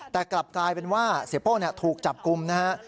แต่กลับกลายเป็นว่าเสียโป้ถูกจับกลุ่มนะฮะ